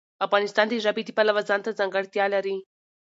افغانستان د ژبې د پلوه ځانته ځانګړتیا لري.